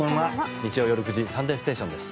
日曜夜９時「サンデーステーション」です。